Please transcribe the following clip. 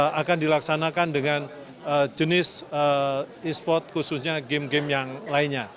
yang akan dilaksanakan dengan jenis e sport khususnya game game yang lainnya